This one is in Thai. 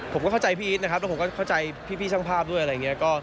ผมก็เข้าใจพี่อีทนะครับแล้วผมก็เข้าใจพี่ช่างภาพด้วยอะไรอย่างนี้